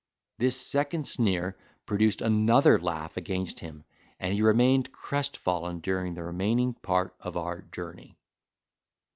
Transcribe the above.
This second sneer produced another laugh against him, and he remained crestfallen during the remaining part of our journey.